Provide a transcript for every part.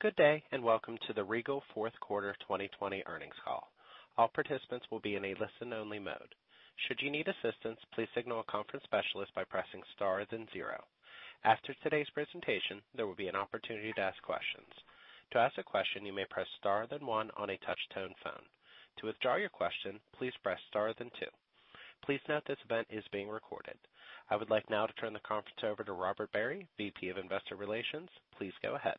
Good day, and welcome to the Regal Fourth Quarter 2020 Earnings Call. I would like now to turn the conference over to Robert Barry, VP of Investor Relations. Please go ahead.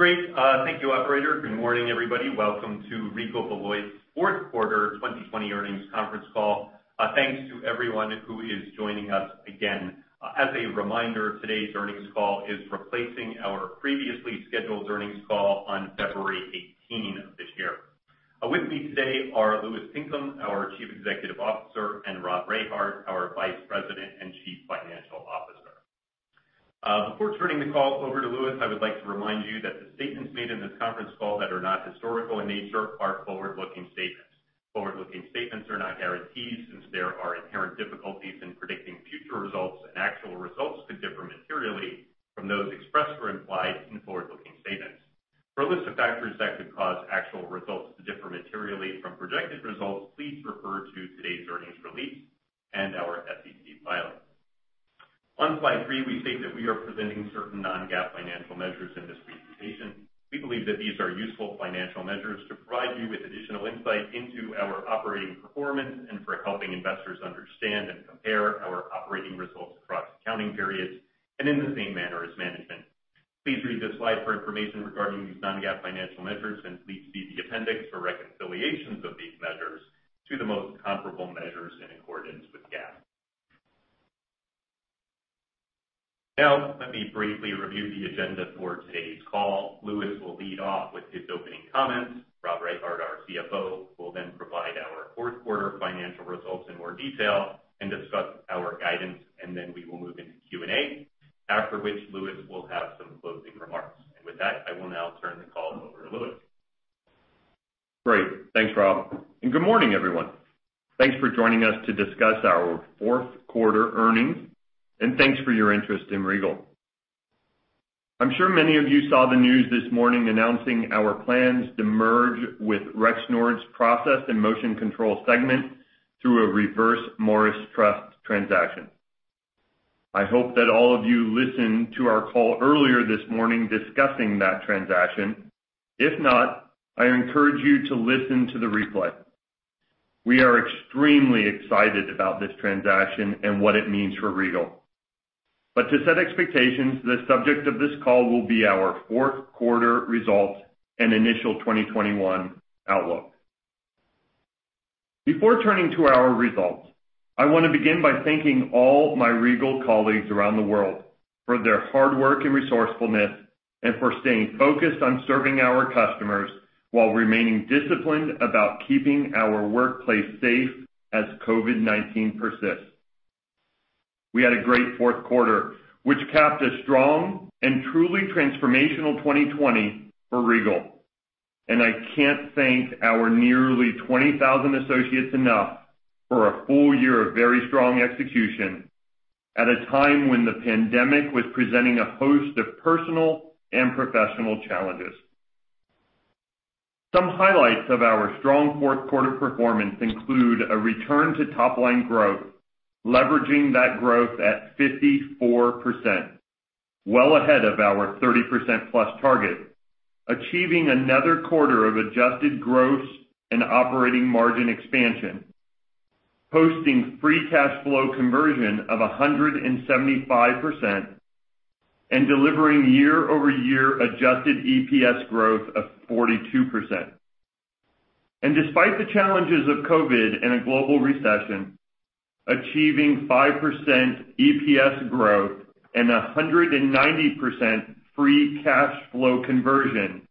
Great. Thank you, operator. Good morning, everybody. Welcome to Regal Beloit Fourth Quarter 2020 Earnings Conference Call. Thanks to everyone who is joining us again. As a reminder, today's earnings call is replacing our previously scheduled earnings call on February 18 of this year. With me today are Louis Pinkham, our Chief Executive Officer, and Rob Rehard, our Vice President and Chief Financial Officer. Before turning the call over to Louis, I would like to remind you that the statements made in this conference call that are not historical in nature are forward-looking statements. Forward-looking statements are not guarantees, since there are inherent difficulties in predicting future results, and actual results could differ materially from those expressed or implied in forward-looking statements. For a list of factors that could cause actual results to differ materially from projected results, please refer to today's earnings release and our SEC filing. On slide three, we state that we are presenting certain non-GAAP financial measures in this presentation. We believe that these are useful financial measures to provide you with additional insight into our operating performance and for helping investors understand and compare our operating results across accounting periods and in the same manner as management. Please read this slide for information regarding these non-GAAP financial measures. Please see the appendix for reconciliations of these measures to the most comparable measures in accordance with GAAP. Let me briefly review the agenda for today's call. Louis will lead off with his opening comments. Rob Rehard, our CFO, will provide our fourth quarter financial results in more detail and discuss our guidance. We will move into Q&A, after which Louis will have some closing remarks. With that, I will now turn the call over to Louis. Great. Thanks, Robert, and good morning, everyone. Thanks for joining us to discuss our fourth quarter earnings. Thanks for your interest in Regal. I'm sure many of you saw the news this morning announcing our plans to merge with Rexnord's Process & Motion Control segment through a Reverse Morris Trust transaction. I hope that all of you listened to our call earlier this morning discussing that transaction. If not, I encourage you to listen to the replay. We are extremely excited about this transaction and what it means for Regal. To set expectations, the subject of this call will be our fourth quarter results and initial 2021 outlook. Before turning to our results, I want to begin by thanking all my Regal colleagues around the world for their hard work and resourcefulness and for staying focused on serving our customers while remaining disciplined about keeping our workplace safe as COVID-19 persists. We had a great fourth quarter, which capped a strong and truly transformational 2020 for Regal. I can't thank our nearly 20,000 associates enough for a full year of very strong execution at a time when the pandemic was presenting a host of personal and professional challenges. Some highlights of our strong fourth quarter performance include a return to top-line growth, leveraging that growth at 54%, well ahead of our 30% plus target, achieving another quarter of adjusted gross and operating margin expansion, posting free cash flow conversion of 175%, and delivering year-over-year adjusted EPS growth of 42%. Despite the challenges of COVID-19 and a global recession, achieving 5% EPS growth and 190% free cash flow conversion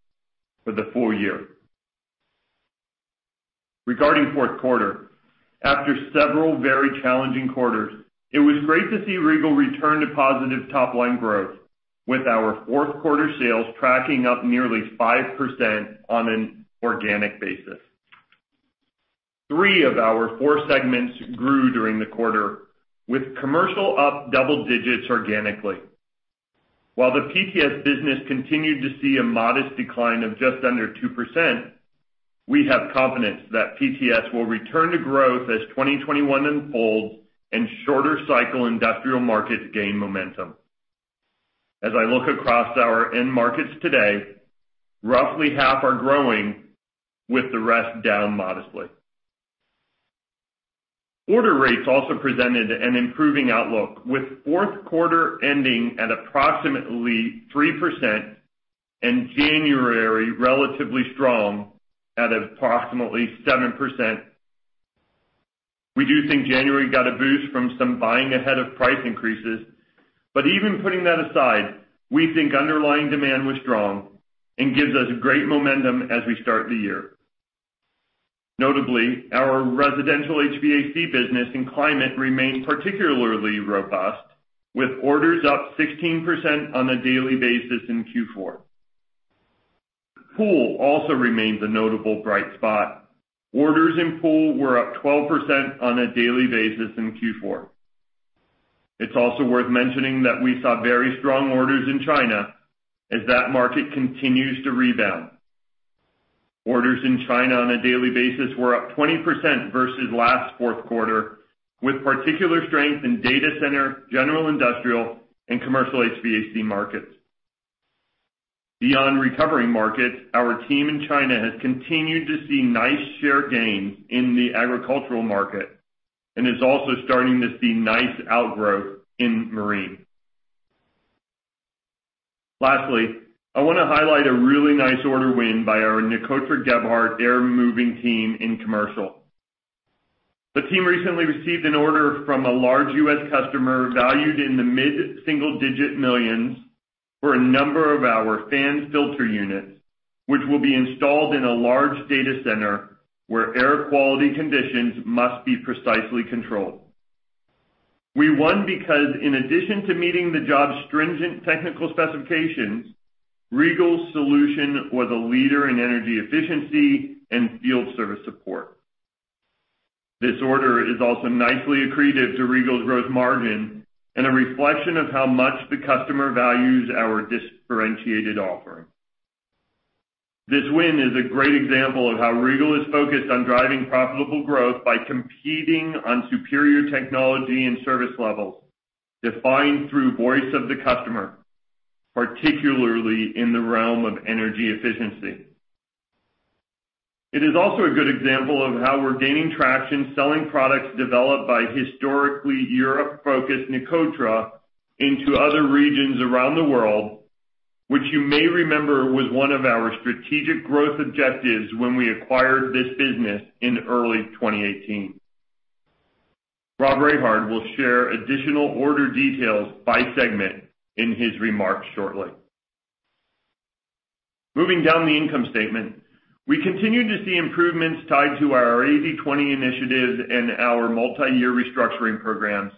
for the full year. Regarding fourth quarter, after several very challenging quarters, it was great to see Regal return to positive top-line growth with our fourth quarter sales tracking up nearly 5% on an organic basis. Three of our four segments grew during the quarter, with Commercial up double digits organically. While the PTS business continued to see a modest decline of just under 2%, we have confidence that PTS will return to growth as 2021 unfolds and shorter cycle industrial markets gain momentum. As I look across our end markets today, roughly half are growing with the rest down modestly. Order rates also presented an improving outlook, with fourth quarter ending at approximately 3% and January relatively strong at approximately 7%. We do think January got a boost from some buying ahead of price increases. Even putting that aside, we think underlying demand was strong and gives us great momentum as we start the year. Notably, our residential HVAC business and climate remained particularly robust, with orders up 16% on a daily basis in Q4. Pool also remains a notable bright spot. Orders in pool were up 12% on a daily basis in Q4. It is also worth mentioning that we saw very strong orders in China as that market continues to rebound. Orders in China on a daily basis were up 20% versus last fourth quarter, with particular strength in data center, general industrial, and commercial HVAC markets. Beyond recovering markets, our team in China has continued to see nice share gains in the agricultural market and is also starting to see nice outgrowth in marine. Lastly, I want to highlight a really nice order win by our Nicotra Gebhardt air moving team in commercial. The team recently received an order from a large U.S. customer valued in the mid-single-digit millions for a number of our Fan Filter Units, which will be installed in a large data center where air quality conditions must be precisely controlled. We won because in addition to meeting the job's stringent technical specifications, Regal's solution was a leader in energy efficiency and field service support. This order is also nicely accretive to Regal's gross margin and a reflection of how much the customer values our differentiated offering. This win is a great example of how Regal is focused on driving profitable growth by competing on superior technology and service levels defined through voice of the customer, particularly in the realm of energy efficiency. It is also a good example of how we're gaining traction selling products developed by historically Europe-focused Nicotra into other regions around the world, which you may remember was one of our strategic growth objectives when we acquired this business in early 2018. Rob Rehard will share additional order details by segment in his remarks shortly. Moving down the income statement, we continue to see improvements tied to our 80/20 initiative and our multi-year restructuring programs,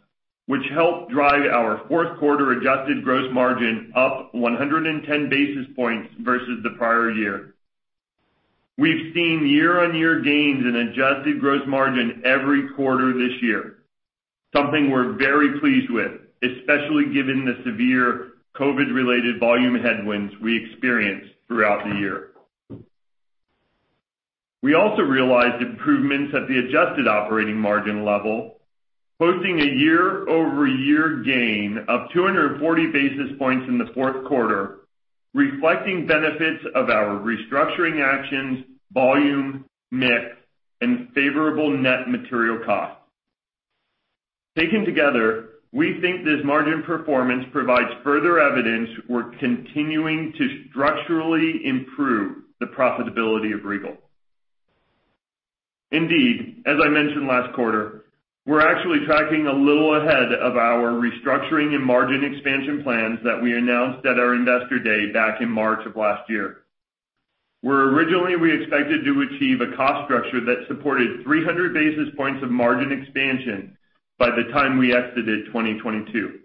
which helped drive our fourth quarter adjusted gross margin up 110 basis points versus the prior year. We've seen year-on-year gains in adjusted gross margin every quarter this year, something we're very pleased with, especially given the severe COVID-related volume headwinds we experienced throughout the year. We also realized improvements at the adjusted operating margin level, posting a year-over-year gain of 240 basis points in the fourth quarter, reflecting benefits of our restructuring actions, volume, mix, and favorable net material costs. Taken together, we think this margin performance provides further evidence we're continuing to structurally improve the profitability of Regal. Indeed, as I mentioned last quarter, we're actually tracking a little ahead of our restructuring and margin expansion plans that we announced at our investor day back in March of last year, where originally we expected to achieve a cost structure that supported 300 basis points of margin expansion by the time we exited 2022.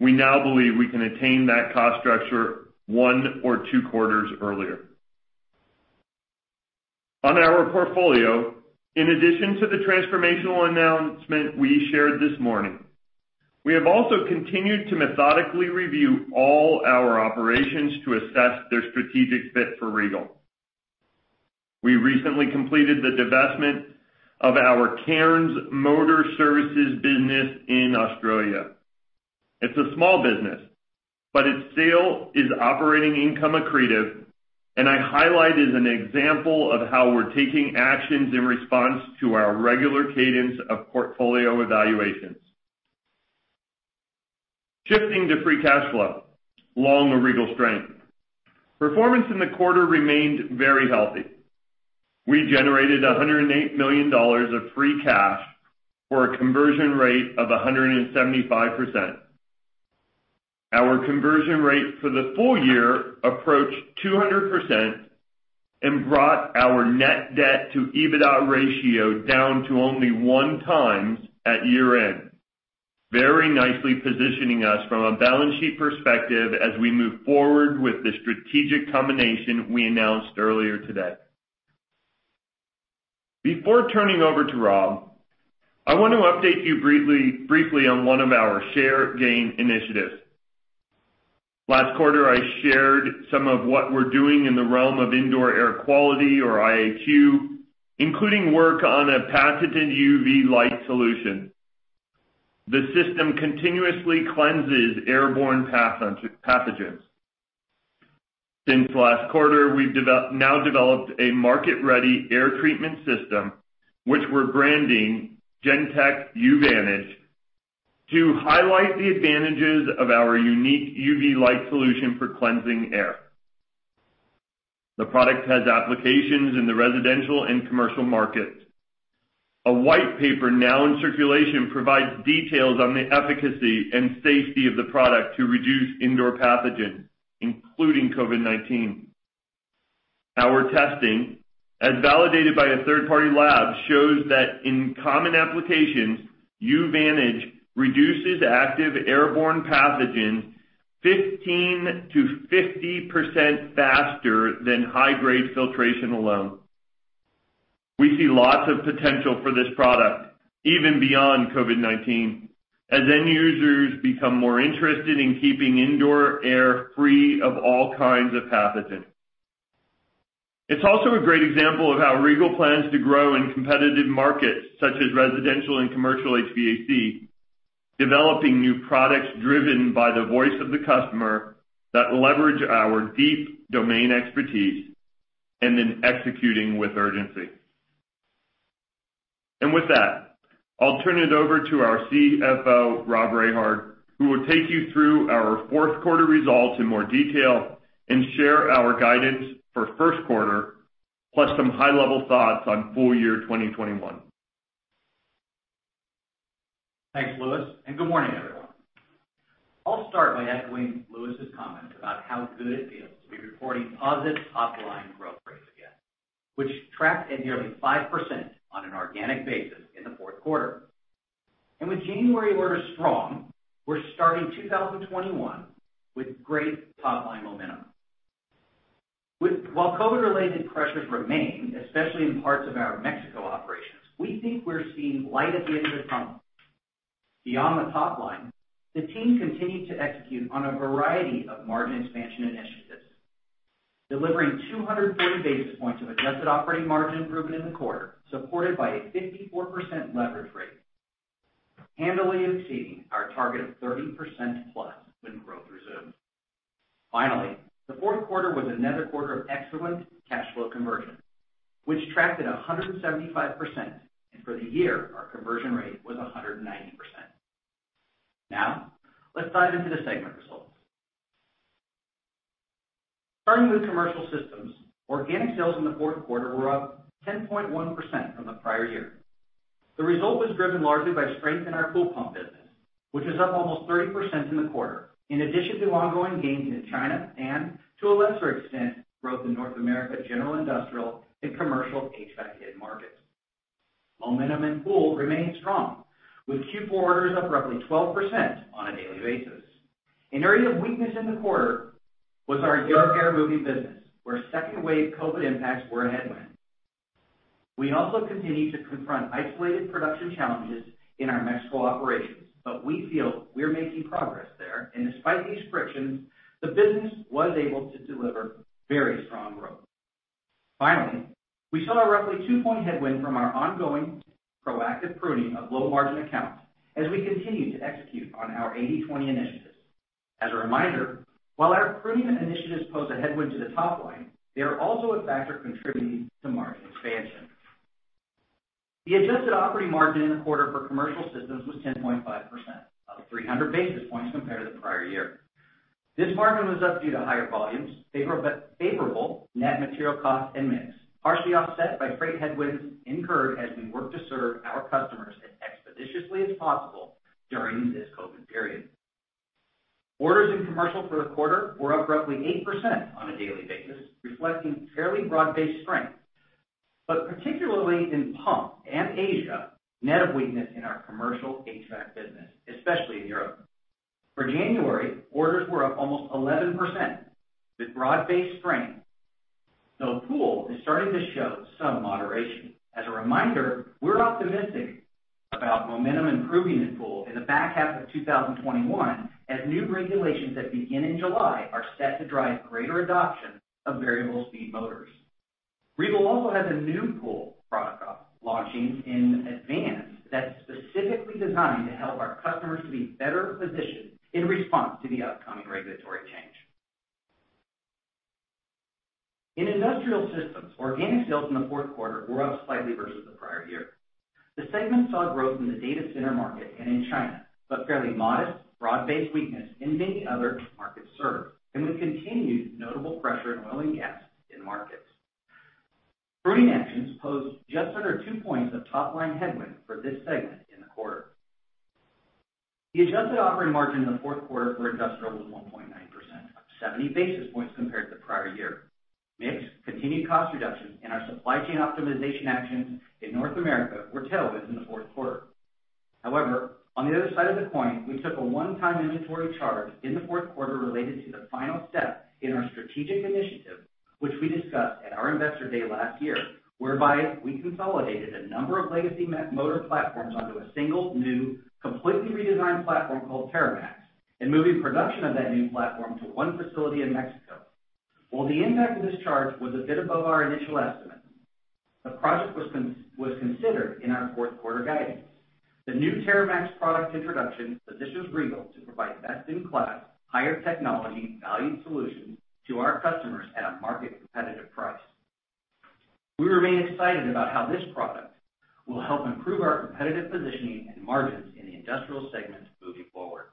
We now believe we can attain that cost structure one or two quarters earlier. On our portfolio, in addition to the transformational announcement we shared this morning, we have also continued to methodically review all our operations to assess their strategic fit for Regal. We recently completed the divestment of our Cairns Motor Services business in Australia. Its sale is operating income accretive, and I highlight as an example of how we're taking actions in response to our regular cadence of portfolio evaluations. Shifting to free cash flow, long a Regal strength. Performance in the quarter remained very healthy. We generated $108 million of free cash for a conversion rate of 175%. Our conversion rate for the full year approached 200% and brought our net debt to EBITDA ratio down to only one times at year-end, very nicely positioning us from a balance sheet perspective as we move forward with the strategic combination we announced earlier today. Before turning over to Rob, I want to update you briefly on one of our share gain initiatives. Last quarter, I shared some of what we're doing in the realm of indoor air quality, or IAQ, including work on a pathogen UV light solution. The system continuously cleanses airborne pathogens. Since last quarter, we've now developed a market-ready air treatment system, which we're branding Genteq UVantage to highlight the advantages of our unique UV light solution for cleansing air. The product has applications in the residential and commercial market. A white paper now in circulation provides details on the efficacy and safety of the product to reduce indoor pathogens, including COVID-19. Our testing, as validated by a third-party lab, shows that in common applications, UVantage reduces active airborne pathogens 15%-50% faster than high-grade filtration alone. We see lots of potential for this product even beyond COVID-19, as end users become more interested in keeping indoor air free of all kinds of pathogens. It's also a great example of how Regal plans to grow in competitive markets such as residential and commercial HVAC, developing new products driven by the voice of the customer that leverage our deep domain expertise, and then executing with urgency. With that, I'll turn it over to our CFO, Rob Rehard, who will take you through our fourth quarter results in more detail and share our guidance for first quarter, plus some high-level thoughts on full year 2021. Thanks, Louis, good morning, everyone. I'll start by echoing Louis's comments about how good it feels to be reporting positive top-line growth rates again, which tracked at nearly 5% on an organic basis in the fourth quarter. With January orders strong, we're starting 2021 with great top-line momentum. While COVID-related pressures remain, especially in parts of our Mexico operations, we think we're seeing light at the end of the tunnel. Beyond the top line, the team continued to execute on a variety of margin expansion initiatives, delivering 240 basis points of adjusted operating margin improvement in the quarter, supported by a 54% leverage rate, handily exceeding our target of 30% plus when growth resumes. Finally, the fourth quarter was another quarter of excellent cash flow conversion, which tracked at 175%, for the year, our conversion rate was 190%. Now, let's dive into the segment results. Starting with Commercial Systems, organic sales in the fourth quarter were up 10.1% from the prior year. The result was driven largely by strength in our pool pump business, which is up almost 30% in the quarter, in addition to ongoing gains in China and, to a lesser extent, growth in North America general industrial and commercial HVAC end markets. Momentum in pool remained strong, with Q4 orders up roughly 12% on a daily basis. An area of weakness in the quarter was our yard care mowing business, where second wave COVID-19 impacts were a headwind. We also continue to confront isolated production challenges in our Mexico operations, but we feel we're making progress there, and despite these frictions, the business was able to deliver very strong growth. Finally, we saw a roughly two-point headwind from our ongoing proactive pruning of low margin accounts as we continue to execute on our 80/20 initiatives. As a reminder, while our pruning initiatives pose a headwind to the top line, they are also a factor contributing to margin expansion. The adjusted operating margin in the quarter for Commercial Systems was 10.5%, up 300 basis points compared to the prior year. This margin was up due to higher volumes, favorable net material cost and mix, partially offset by freight headwinds incurred as we work to serve our customers as expeditiously as possible during this COVID-19 period. Orders in Commercial for the quarter were up roughly 8% on a daily basis, reflecting fairly broad-based strength, but particularly in pump and Asia, net of weakness in our Commercial HVAC business, especially in Europe. For January, orders were up almost 11% with broad-based strength, though pool is starting to show some moderation. As a reminder, we're optimistic about momentum improving in pool in the back half of 2021 as new regulations that begin in July are set to drive greater adoption of variable speed motors. Regal also has a new pool product launching in advance that's specifically designed to help our customers to be better positioned in response to the upcoming regulatory change. In Industrial Systems, organic sales in the fourth quarter were up slightly versus the prior year. The segment saw growth in the data center market and in China, but fairly modest broad-based weakness in many other markets served, and with continued notable pressure in oil and gas end markets. Pruning actions posed just under two points of top-line headwind for this segment in the quarter. The adjusted operating margin in the fourth quarter for industrial was 1.9%, up 70 basis points compared to the prior year. Mix, continued cost reduction, and our supply chain optimization actions in North America were tailwinds in the fourth quarter. However, on the other side of the coin, we took a one-time inventory charge in the fourth quarter related to the final step in our strategic initiative, which we discussed at our investor day last year, whereby we consolidated a number of legacy motor platforms onto a single new, completely redesigned platform called TerraMAX and moving production of that new platform to one facility in Mexico. While the impact of this charge was a bit above our initial estimate, the project was considered in our fourth quarter guidance. The new TeraMAX product introduction positions Regal to provide best-in-class, higher technology valued solutions to our customers at a market competitive price. We remain excited about how this product will help improve our competitive positioning and margins in the industrial segment moving forward.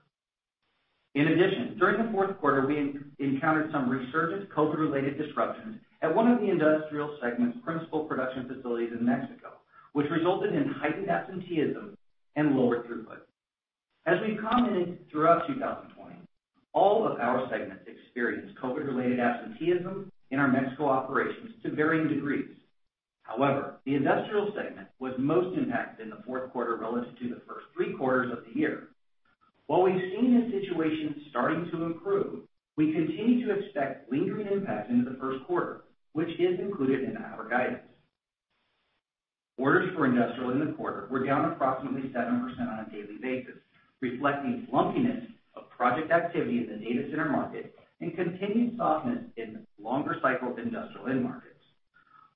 In addition, during the fourth quarter, we encountered some resurgent COVID-19-related disruptions at one of the industrial segment's principal production facilities in Mexico, which resulted in heightened absenteeism and lower throughput. As we've commented throughout 2020, all of our segments experienced COVID-19-related absenteeism in our Mexico operations to varying degrees. The industrial segment was most impacted in the fourth quarter relative to the first three quarters of the year. While we've seen the situation starting to improve, we continue to expect lingering impacts into the first quarter, which is included in our guidance. Orders for industrial in the quarter were down approximately 7% on a daily basis, reflecting lumpiness of project activity in the data center market and continued softness in longer cycle industrial end markets.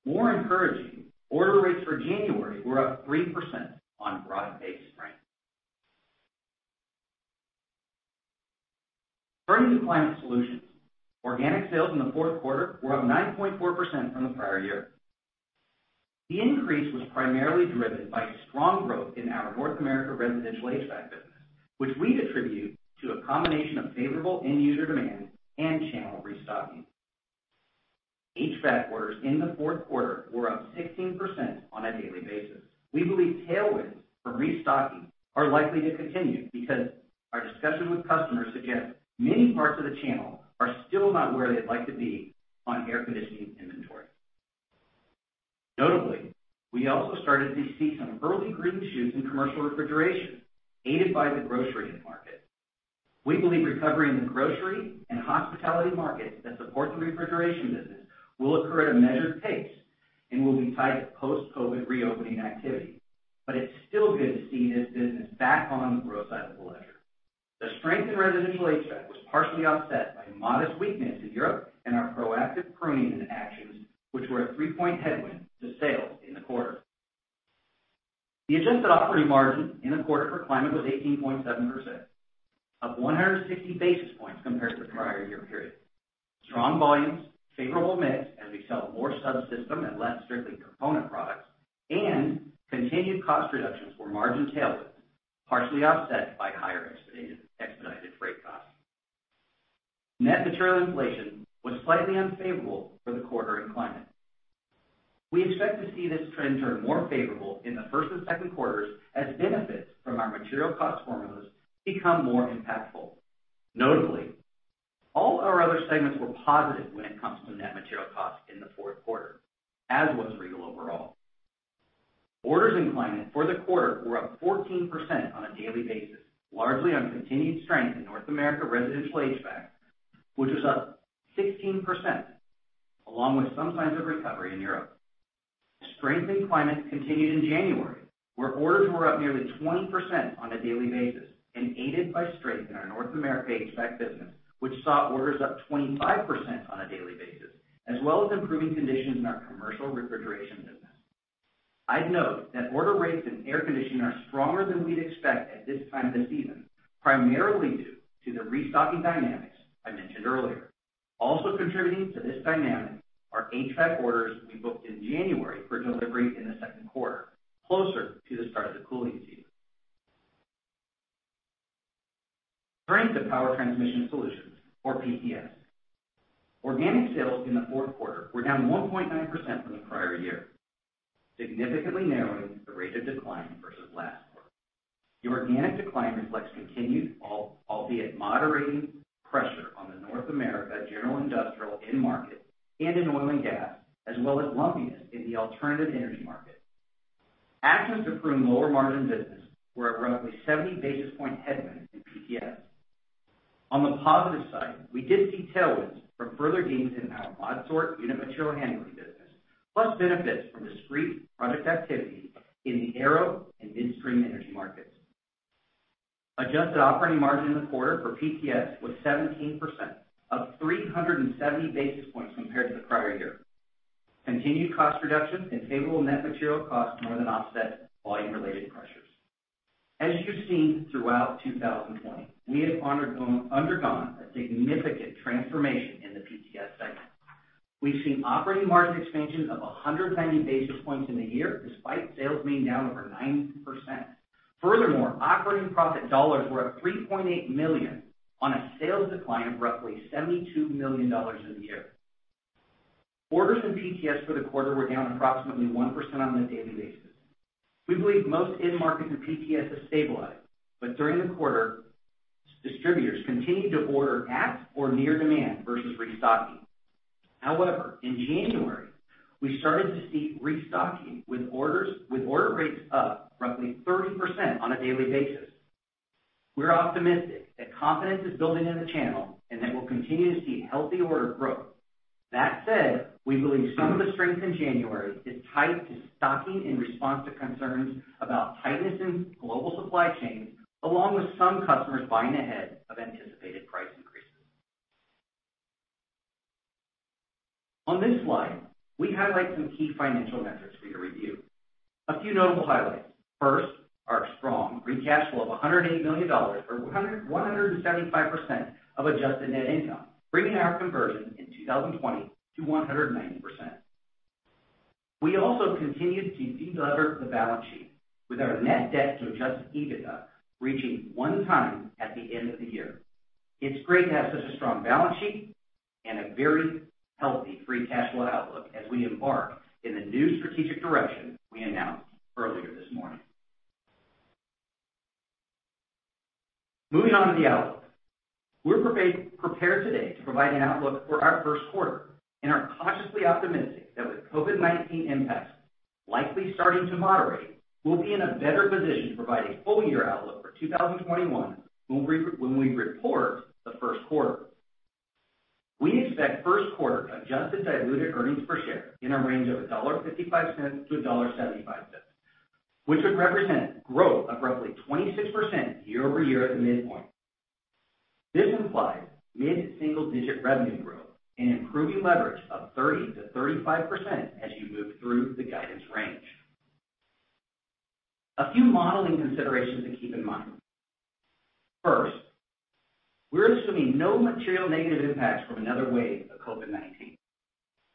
More encouraging, order rates for January were up 3% on a broad- based strength. Turning to climate solutions, organic sales in the fourth quarter were up 9.4% from the prior year. The increase was primarily driven by strong growth in our North America residential HVAC business, which we attribute to a combination of favorable end-user demand and channel restocking. HVAC orders in the fourth quarter were up 16% on a daily basis. We believe tailwinds from restocking are likely to continue because our discussions with customers suggest many parts of the channel are still not where they'd like to be on air conditioning inventory. Notably, we also started to see some early green shoots in commercial refrigeration, aided by the grocery end market. We believe recovery in the grocery and hospitality markets that support the refrigeration business will occur at a measured pace and will be tied to post-COVID-19 reopening activity, but it's still good to see this business back on the growth side of the ledger. The strength in residential HVAC was partially offset by modest weakness in Europe and our proactive pruning actions, which were a three-point headwind to sales in the quarter. The adjusted operating margin in the quarter for climate was 18.7%, up 160 basis points compared to the prior year period. Strong volumes, favorable mix as we sell more subsystem and less strictly component products, and continued cost reductions were margin tailwinds, partially offset by higher expedited freight costs. Net material inflation was slightly unfavorable for the quarter in climate. We expect to see this trend turn more favorable in the first and second quarters as benefits from our material cost formulas become more impactful. Notably, all our other segments were positive when it comes to net material costs in the fourth quarter, as was Regal overall. Orders in climate for the quarter were up 14% on a daily basis, largely on continued strength in North America residential HVAC, which was up 16%, along with some signs of recovery in Europe. Strength in climate continued in January, where orders were up nearly 20% on a daily basis and aided by strength in our North America HVAC business, which saw orders up 25% on a daily basis, as well as improving conditions in our commercial refrigeration business. I'd note that order rates in air conditioning are stronger than we'd expect at this time of the season, primarily due to the restocking dynamics I mentioned earlier. Also contributing to this dynamic are HVAC orders we booked in January for delivery in the second quarter, closer to the start of the cooling season. Turning to Power Transmission Solutions or PTS. Organic sales in the fourth quarter were down 1.9% from the prior year, significantly narrowing the rate of decline versus last quarter. The organic decline reflects continued, albeit moderating pressure on the North America general industrial end market and in oil and gas, as well as lumpiness in the alternative energy market. Actions to prune lower margin business were a roughly 70 basis points headwind in PTS. On the positive side, we did see tailwinds from further gains in our ModSort unit material handling business, plus benefits from discrete project activity in the aero and midstream energy markets. Adjusted operating margin in the quarter for PTS was 17%, up 370 basis points compared to the prior year. Continued cost reductions and favorable net material costs more than offset volume-related pressures. As you've seen throughout 2020, we have undergone a significant transformation in the PTS segment. We've seen operating margin expansion of 190 basis points in the year despite sales being down over 90%. Furthermore, operating profit dollars were up $3.8 million on a sales decline of roughly $72 million in the year. Orders in PTS for the quarter were down approximately 1% on a daily basis. We believe most end markets in PTS have stabilized, but during the quarter, distributors continued to order at or near demand versus restocking. In January, we started to see restocking with order rates up roughly 30% on a daily basis. We are optimistic that confidence is building in the channel and that we'll continue to see healthy order growth. We believe some of the strength in January is tied to stocking in response to concerns about tightness in global supply chains, along with some customers buying ahead of anticipated price increases. On this slide, we highlight some key financial metrics for your review. A few notable highlights. First, our strong free cash flow of $180 million, or 175% of adjusted net income, bringing our conversion in 2020 to 190%. We also continued to delever the balance sheet with our net debt to adjusted EBITDA reaching 1x at the end of the year. It's great to have such a strong balance sheet and a very healthy free cash flow outlook as we embark in the new strategic direction we announced earlier this morning. Moving on to the outlook. We're prepared today to provide an outlook for our first quarter and are cautiously optimistic that with COVID-19 impacts likely starting to moderate, we'll be in a better position to provide a full-year outlook for 2021 when we report the first quarter. We expect first quarter adjusted diluted earnings per share in a range of $1.55-$1.75, which would represent growth of roughly 26% year-over-year at the midpoint. This implies mid-single-digit revenue growth and improving leverage of 30%-35% as you move through the guidance range. A few modeling considerations to keep in mind. First, we're assuming no material negative impacts from another wave of COVID-19.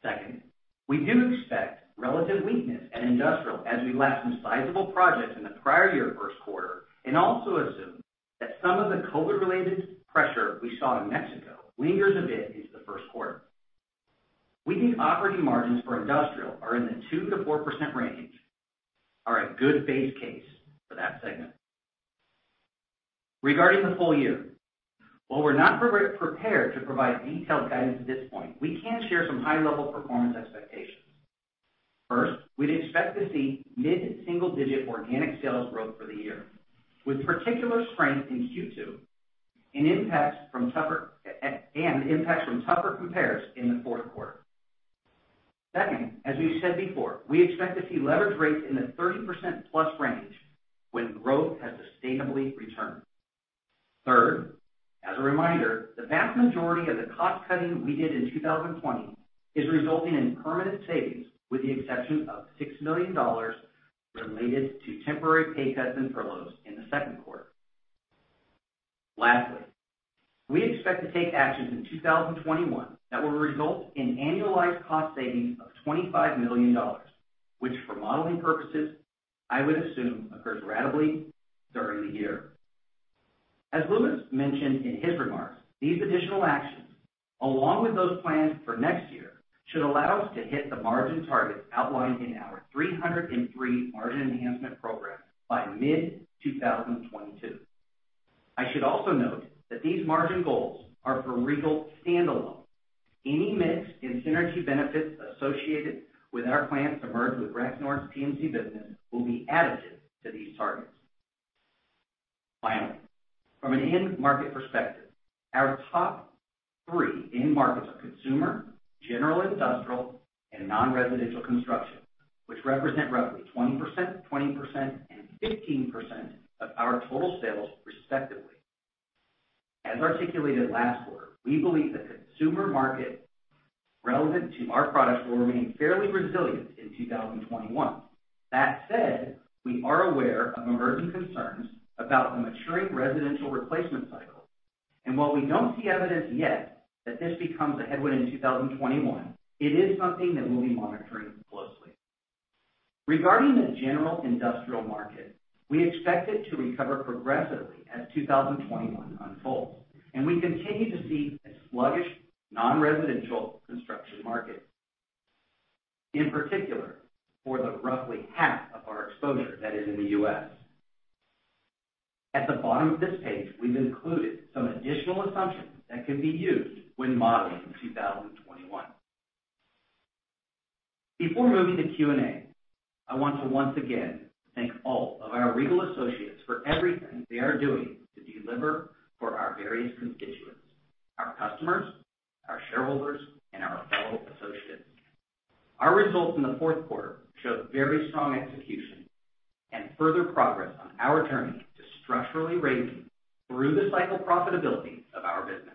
Second, we do expect relative weakness in Industrial as we lap some sizable projects in the prior year first quarter, and also assume that some of the COVID-related pressure we saw in Mexico lingers a bit into the first quarter. We think operating margins for Industrial are in the 2%-4% range, are a good base case for that segment. Regarding the full year, while we're not prepared to provide detailed guidance at this point, we can share some high-level performance expectations. First, we'd expect to see mid-single-digit organic sales growth for the year, with particular strength in Q2 and impacts from tougher compares in the fourth quarter. Second, as we've said before, we expect to see leverage rates in the 30%-plus range when growth has sustainably returned. Third, as a reminder, the vast majority of the cost-cutting we did in 2020 is resulting in permanent savings, with the exception of $6 million related to temporary pay cuts and furloughs in the second quarter. Lastly, we expect to take actions in 2021 that will result in annualized cost savings of $25 million, which for modeling purposes, I would assume occurs ratably during the year. As Louis mentioned in his remarks, these additional actions, along with those plans for next year, should allow us to hit the margin targets outlined in our 300-in-3 margin enhancement program by mid-2022. I should also note that these margin goals are for Regal standalone. Any mix in synergy benefits associated with our plan to merge with Rexnord's PMC business will be additive to these targets. Finally, from an end market perspective, our top three end markets are consumer, general industrial, and non-residential construction, which represent roughly 20%, 20% and 15% of our total sales respectively. As articulated last quarter, we believe the consumer market relevant to our products will remain fairly resilient in 2021. While we don't see evidence yet that this becomes a headwind in 2021, it is something that we'll be monitoring closely. Regarding the general industrial market, we expect it to recover progressively as 2021 unfolds, and we continue to see a sluggish non-residential construction market, in particular for the roughly half of our exposure that is in the U.S. At the bottom of this page, we've included some additional assumptions that could be used when modeling 2021. Before moving to Q&A, I want to once again thank all of our Regal associates for everything they are doing to deliver for our various constituents, our customers, our shareholders, and our fellow associates. Our results in the fourth quarter showed very strong execution and further progress on our journey to structurally raising through the cycle profitability of our business.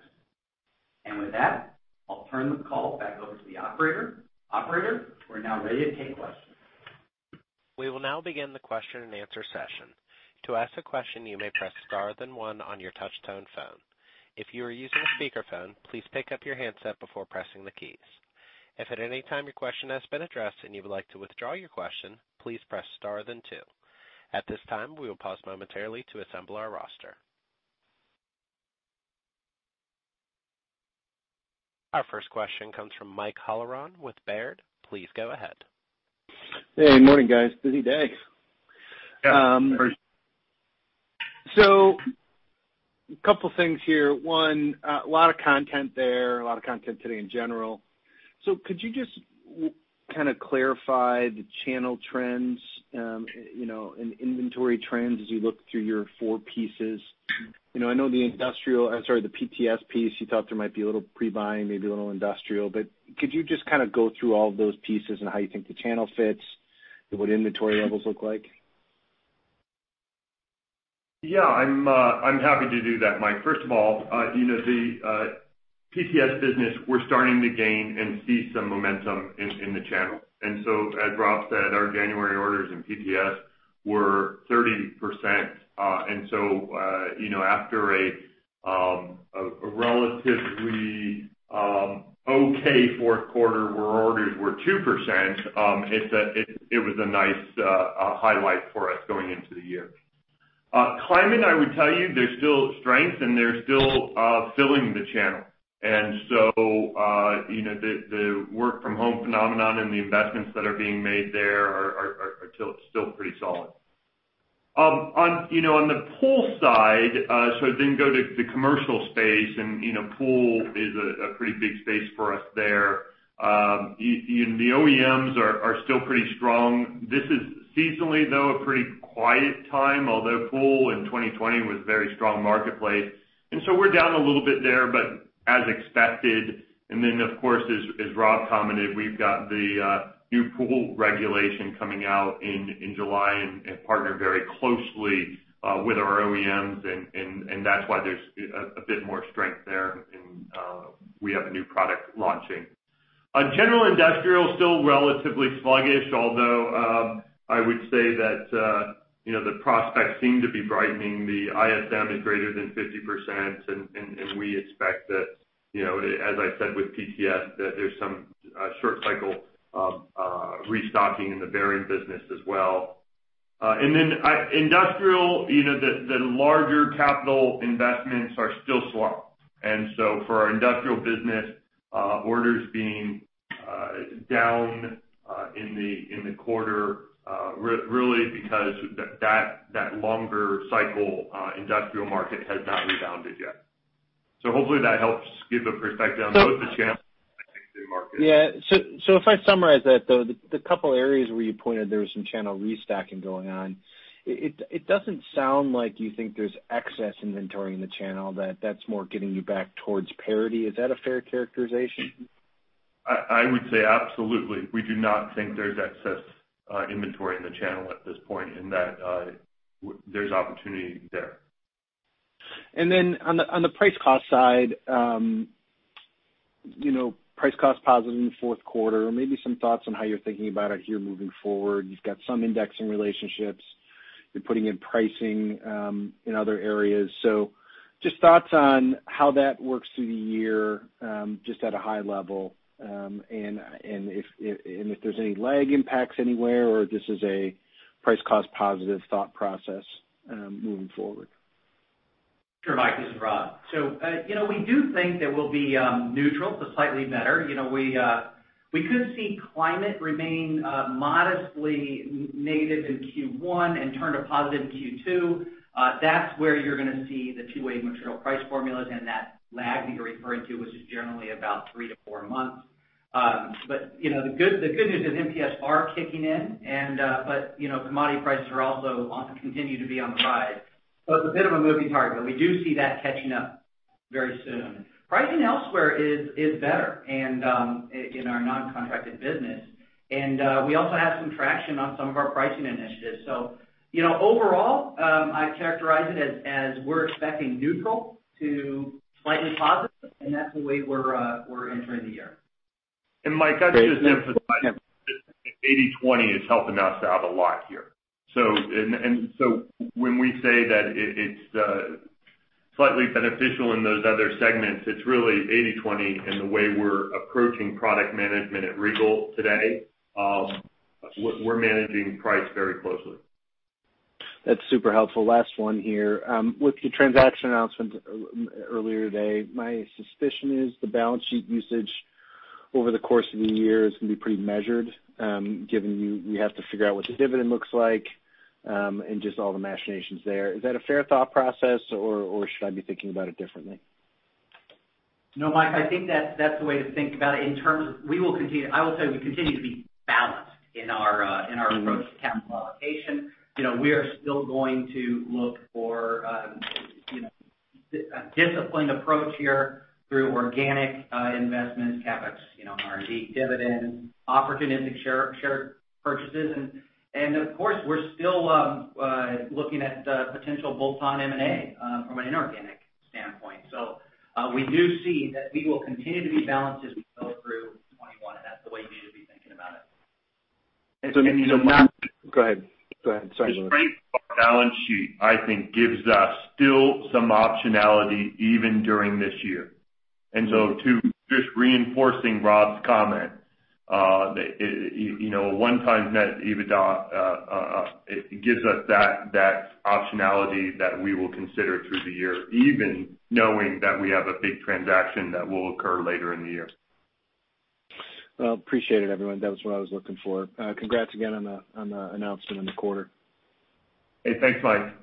With that, I'll turn the call back over to the operator. Operator, we're now ready to take questions. We will now begin the question-and-answer session. To ask a question, you may press star, then one on your touch-tone phone. If you are using a speakerphone, please pick up your handset before pressing the keys. If at any time your question has been addressed and you would like to withdraw your question, please press star, then two. At this time, we will pause momentarily to assemble our roster. Our first question comes from Michael Halloran with Baird. Please go ahead. Hey, morning, guys. Busy day. Yeah. A couple of things here. One, a lot of content there, a lot of content today in general. Could you just kind of clarify the channel trends, and inventory trends as you look through your four pieces? I know the PTS piece, you thought there might be a little pre-buying, maybe a little industrial. Could you just kind of go through all of those pieces and how you think the channel fits and what inventory levels look like? Yeah, I'm happy to do that, Mike. First of all, the PTS business, we're starting to gain and see some momentum in the channel. As Rob said, our January orders in PTS were 30%. After a relatively okay fourth quarter where orders were 2%, it was a nice highlight for us going into the year. Climate, I would tell you, there's still strength and they're still filling the channel. The work from home phenomenon and the investments that are being made there are still pretty solid. On the pool side, go to the commercial space, and pool is a pretty big space for us there. The OEMs are still pretty strong. This is seasonally, though, a pretty quiet time, although pool in 2020 was a very strong marketplace. We're down a little bit there, but as expected. Of course, as Rob commented, we've got the new pool regulation coming out in July and partnered very closely with our OEMs, and that's why there's a bit more strength there in we have a new product launching. On general industrial, still relatively sluggish. I would say that the prospects seem to be brightening. The ISM is greater than 50%. We expect that, as I said with PTS, that there's some short cycle restocking in the bearing business as well. Industrial, the larger capital investments are still slow. For our industrial business, orders being down in the quarter, really because that longer cycle industrial market has not rebounded yet. Hopefully that helps give a perspective on both the channel and the market. Yeah. If I summarize that, though, the couple areas where you pointed there was some channel restocking going on, it doesn't sound like you think there's excess inventory in the channel, that that's more getting you back towards parity. Is that a fair characterization? I would say absolutely. We do not think there's excess inventory in the channel at this point, and that there's opportunity there. On the price cost side, price cost positive in the fourth quarter. Maybe some thoughts on how you're thinking about it here moving forward. You've got some indexing relationships. You're putting in pricing in other areas. Just thoughts on how that works through the year, just at a high level, and if there's any lag impacts anywhere or if this is a price cost positive thought process moving forward. Sure, Mike, this is Rob. We do think that we'll be neutral to slightly better. We could see climate remain modestly negative in Q1 and turn to positive in Q2. That's where you're going to see the two-way material price formulas and that lag that you're referring to, which is generally about three to four months, but the good news is MPFs are kicking in, but commodity prices also continue to be on the rise. It's a bit of a moving target, but we do see that catching up very soon. Pricing elsewhere is better in our non-contracted business, and we also have some traction on some of our pricing initiatives. Overall, I characterize it as we're expecting neutral to slightly positive, and that's the way we're entering the year. Mike, I'd just emphasize that 80/20 is helping us out a lot here. When we say that it's slightly beneficial in those other segments, it's really 80/20 in the way we're approaching product management at Regal today. We're managing price very closely. That's super helpful. Last one here. With your transaction announcement earlier today, my suspicion is the balance sheet usage over the course of the year is going to be pretty measured, given you have to figure out what the dividend looks like, and just all the machinations there. Is that a fair thought process, or should I be thinking about it differently? No, Mike, I think that's the way to think about it. I will tell you, we continue to be balanced in our approach to capital allocation. We are still going to look for a disciplined approach here through organic investments, CapEx, R&D, dividend, opportunistic share purchases. Of course, we're still looking at potential bolt-on M&A from an inorganic standpoint. We do see that we will continue to be balanced as we go through 2021, and that's the way you need to be thinking about it. Mike. Go ahead. Sorry, go ahead. The strength of our balance sheet, I think, gives us still some optionality even during this year. Just reinforcing Rob's comment, a one-time net EBITDA, it gives us that optionality that we will consider through the year, even knowing that we have a big transaction that will occur later in the year. Well, appreciate it, everyone. That was what I was looking for. Congrats again on the announcement in the quarter. Hey, thanks, Mike..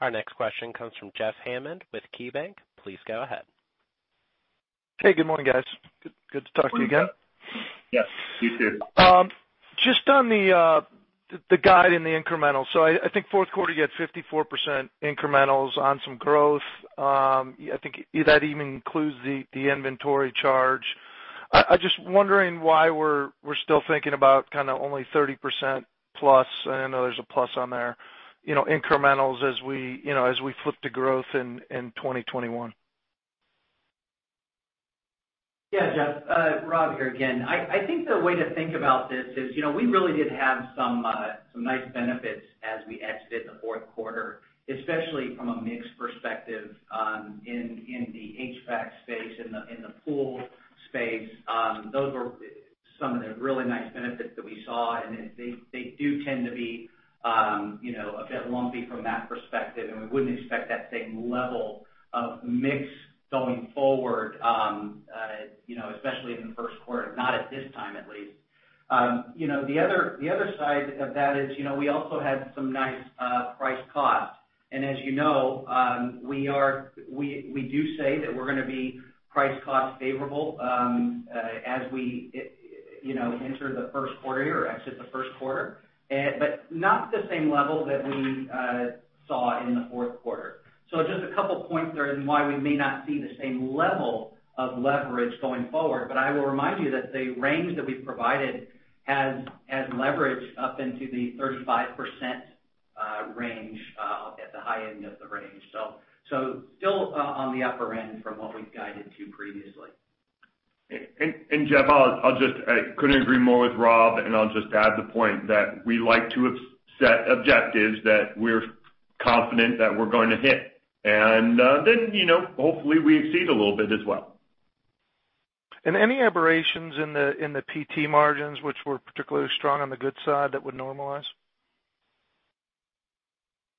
Our next question comes from Jeff Hammond with KeyBanc. Please go ahead. Hey, good morning, guys. Good to talk to you again. Yes, you too. Just on the guide and the incremental. I think fourth quarter, you had 54% incrementals on some growth. I think that even includes the inventory charge. I'm just wondering why we're still thinking about only 30% plus, and I know there's a plus on there, incrementals as we flip to growth in 2021. Yeah, Jeff. Rob here again. I think the way to think about this is, we really did have some nice benefits as we exited the fourth quarter, especially from a mix perspective in the HVAC space, in the pool space. Those were some of the really nice benefits that we saw, and they do tend to be a bit lumpy from that perspective, and we wouldn't expect that same level of mix going forward, especially in the first quarter, not at this time at least. The other side of that is, we also had some nice price cost. As you know, we do say that we're going to be price cost favorable as we enter the first quarter or exit the first quarter. Not the same level that we saw in the fourth quarter. Just a couple of points there on why we may not see the same level of leverage going forward, but I will remind you that the range that we've provided has leverage up into the 35% range at the high end of the range. Still on the upper end from what we've guided to previously. Jeff, I couldn't agree more with Rob, and I'll just add the point that we like to set objectives that we're confident that we're going to hit. Hopefully we exceed a little bit as well. Any aberrations in the PT margins, which were particularly strong on the good side that would normalize?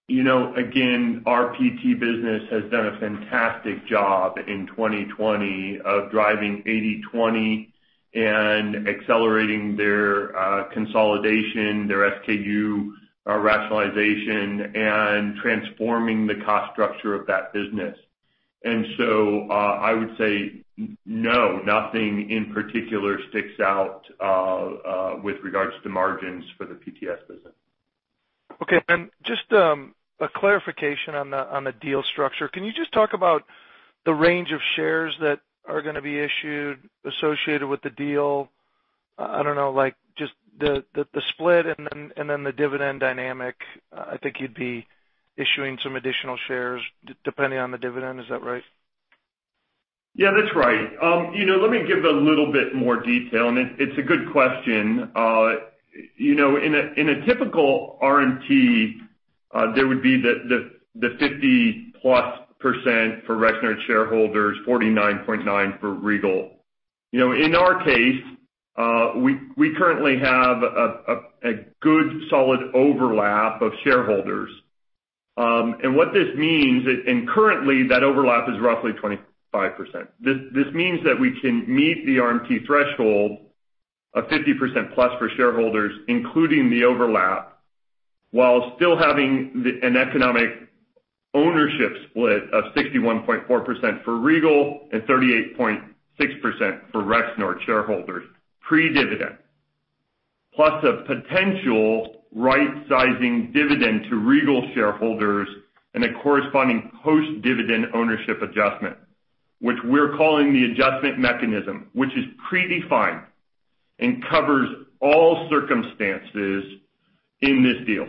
Again, our PT business has done a fantastic job in 2020 of driving 80/20 and accelerating their consolidation, their SKU rationalization, and transforming the cost structure of that business. I would say no, nothing in particular sticks out with regards to margins for the PTS business. Okay. Just a clarification on the deal structure. Can you just talk about the range of shares that are going to be issued associated with the deal? I don't know, just the split and then the dividend dynamic. I think you'd be issuing some additional shares depending on the dividend. Is that right? Yeah, that's right. Let me give a little bit more detail, and it's a good question. In a typical RMT, there would be the 50%-plus for Rexnord shareholders, 49.9% for Regal. In our case, we currently have a good solid overlap of shareholders. What this means, currently, that overlap is roughly 25%. This means that we can meet the RMT threshold of 50%-plus for shareholders, including the overlap, while still having an economic ownership split of 61.4% for Regal and 38.6% for Rexnord shareholders pre-dividend. Plus a potential right sizing dividend to Regal shareholders and a corresponding post-dividend ownership adjustment, which we're calling the adjustment mechanism, which is predefined and covers all circumstances in this deal.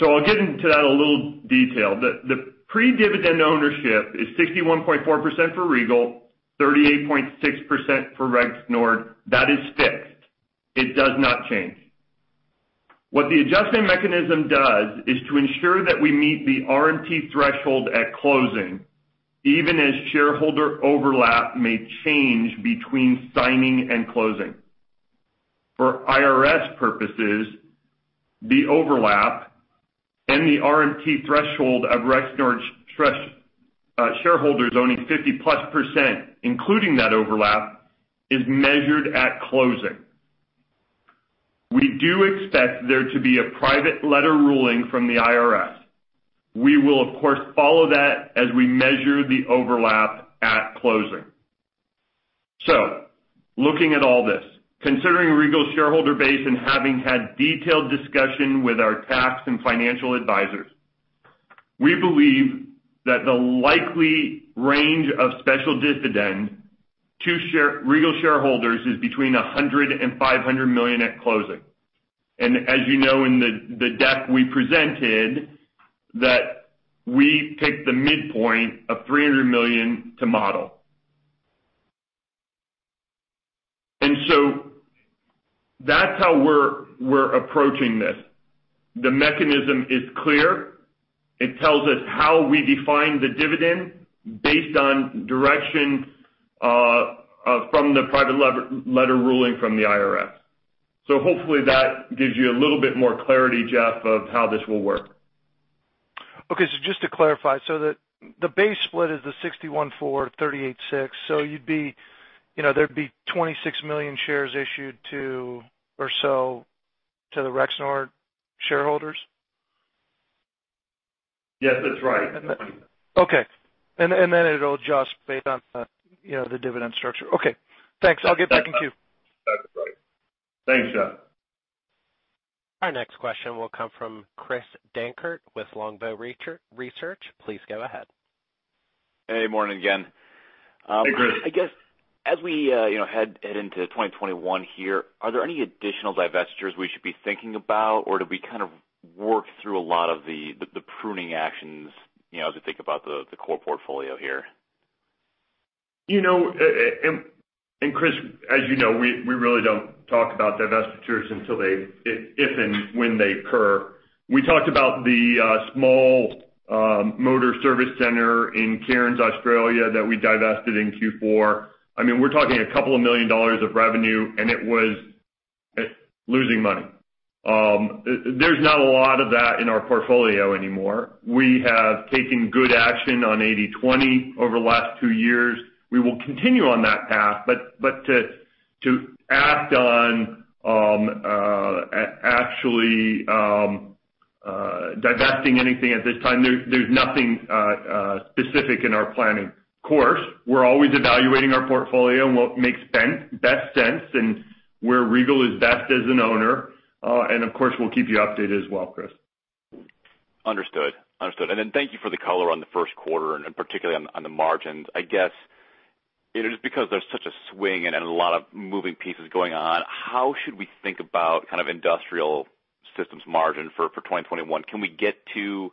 I'll get into that a little detail. The pre-dividend ownership is 61.4% for Regal, 38.6% for Rexnord. That is fixed. It does not change. What the adjustment mechanism does is to ensure that we meet the RMT threshold at closing, even as shareholder overlap may change between signing and closing. For IRS purposes, the overlap and the RMT threshold of Rexnord shareholders owning 50-plus %, including that overlap, is measured at closing. We do expect there to be a private letter ruling from the IRS. We will, of course, follow that as we measure the overlap at closing. Looking at all this, considering Regal's shareholder base and having had detailed discussion with our tax and financial advisors, we believe that the likely range of special dividend to Regal shareholders is between $100 million and $500 million at closing. As you know in the deck we presented, that we picked the midpoint of $300 million to model. That's how we're approaching this. The mechanism is clear. It tells us how we define the dividend based on direction from the private letter ruling from the IRS. Hopefully that gives you a little bit more clarity, Jeff, of how this will work. Just to clarify, the base split is the 61.4/38.6. There'd be 26 million shares issued to or so to the Rexnord shareholders? Yes, that's right. Okay. It'll adjust based on the dividend structure. Okay, thanks. I'll get back in queue. That's right. Thanks, Jeff. Our next question will come from Christopher Dankert with Longbow Research. Please go ahead. Hey, morning again. Hey, Chris. I guess as we head into 2021 here, are there any additional divestitures we should be thinking about, or did we kind of work through a lot of the pruning actions as we think about the core portfolio here? Chris, as you know, we really don't talk about divestitures if and when they occur. We talked about the small motor service center in Cairns, Australia that we divested in Q4. We're talking a couple million dollars of revenue, and it was losing money. There's not a lot of that in our portfolio anymore. We have taken good action on 80/20 over the last two years. We will continue on that path, but to act on actually divesting anything at this time, there's nothing specific in our planning. Of course, we're always evaluating our portfolio and what makes best sense and where Regal is best as an owner. Of course, we'll keep you updated as well, Chris. Understood. Understood. Thank you for the color on the first quarter and particularly on the margins. I guess it is because there's such a swing and a lot of moving pieces going on, how should we think about kind of Industrial Systems margin for 2021? Can we get to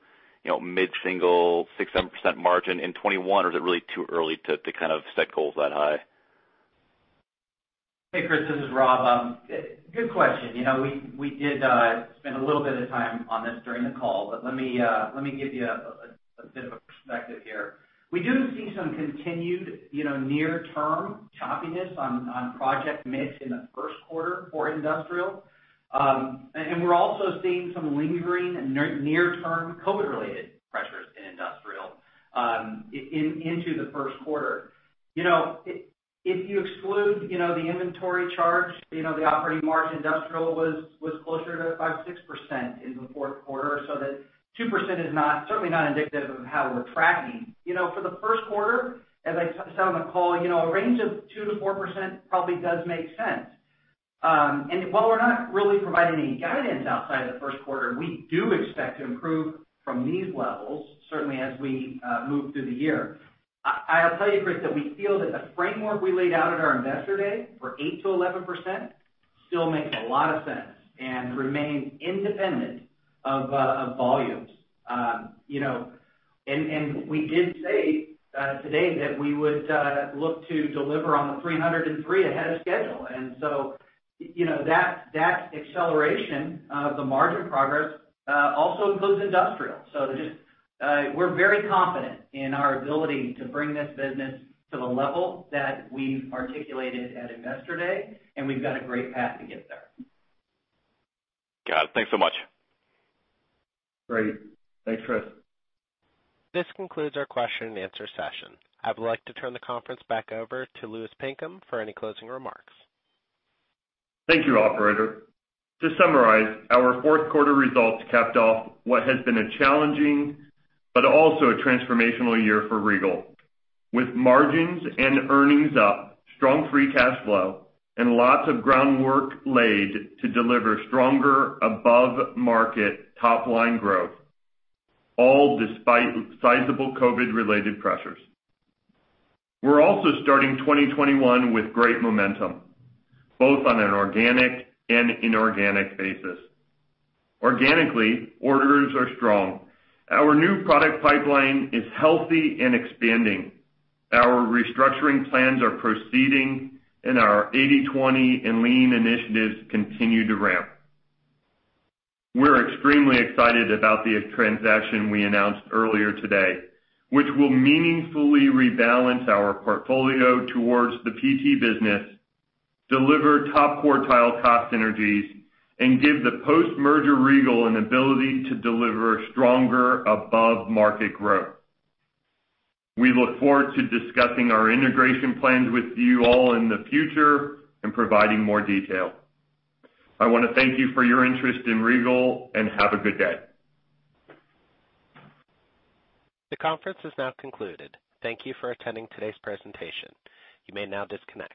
mid-single 6%, 7% margin in 2021, or is it really too early to kind of set goals that high? Hey, Chris, this is Rob. Good question. We did spend a little bit of time on this during the call, let me give you a bit of a perspective here. We do see some continued near-term choppiness on project mix in the first quarter for industrial. We're also seeing some lingering and near-term COVID-related pressures in industrial into the first quarter. If you exclude the inventory charge, the operating margin industrial was closer to 5%, 6% in the fourth quarter. That 2% is certainly not indicative of how we're tracking. For the first quarter, as I said on the call, a range of 2%-4% probably does make sense. While we're not really providing any guidance outside of the first quarter, we do expect to improve from these levels, certainly as we move through the year. I'll tell you, Chris, that we feel that the framework we laid out at our Investor Day for 8%-11% still makes a lot of sense and remains independent of volumes. We did say today that we would look to deliver on the 300-in-3 ahead of schedule. That acceleration of the margin progress also includes industrial. We're very confident in our ability to bring this business to the level that we've articulated at Investor Day, and we've got a great path to get there. Got it. Thanks so much. Great. Thanks, Chris. This concludes our question and answer session. I would like to turn the conference back over to Louis Pinkham for any closing remarks. Thank you, operator. To summarize, our fourth quarter results capped off what has been a challenging but also a transformational year for Regal. With margins and earnings up, strong free cash flow, and lots of groundwork laid to deliver stronger above-market top-line growth, all despite sizable COVID-related pressures. We're also starting 2021 with great momentum, both on an organic and inorganic basis. Organically, orders are strong. Our new product pipeline is healthy and expanding. Our restructuring plans are proceeding, and our 80/20 and lean initiatives continue to ramp. We're extremely excited about the transaction we announced earlier today, which will meaningfully rebalance our portfolio towards the PT Business, deliver top-quartile cost synergies, and give the post-merger Regal an ability to deliver stronger above-market growth. We look forward to discussing our integration plans with you all in the future and providing more detail. I want to thank you for your interest in Regal, and have a good day. The conference is now concluded. Thank you for attending today's presentation. You may now disconnect.